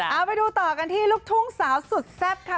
เอาไปดูต่อกันที่ลูกทุ่งสาวสุดแซ่บค่ะ